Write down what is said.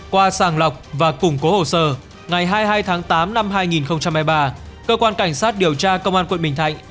qua sàng lọc và củng cố hồ sơ ngày hai mươi hai tháng tám năm hai nghìn hai mươi ba cơ quan cảnh sát điều tra công an quận bình thạnh